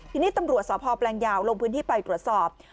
ทีนี้ตำรวจสพแปลงยาวลงพื้นที่ไปตรวจสอบ